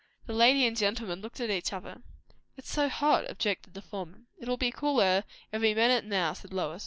The lady and gentleman looked at each other. "It's so hot!" objected the former. "It will be cooler every minute now," said Lois.